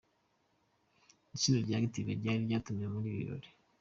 Itsinda rya Active ryari ryatumiwe muri ibi birori.